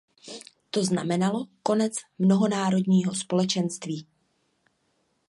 To znamenalo konec mnohonárodního společenství.